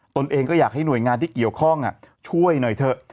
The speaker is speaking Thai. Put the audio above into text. ตนเองก็อยากให้หน่วยงานที่เกี่ยวข้องช่วยหน่อยเถอะ